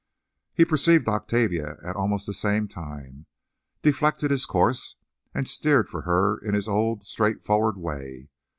He perceived Octavia at almost the same time, deflected his course, and steered for her in his old, straightforward way.